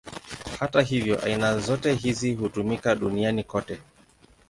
Hata hivyo, aina zote hizi hutumika duniani kote.